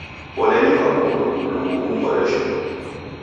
Polenyi w'akundwa, Mlungu umuhoreshe.